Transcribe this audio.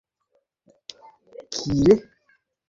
একটু চুপ করে থেকে মধুসূদন বললে, বড়োবউ, চলে যেতে ইচ্ছে করছ?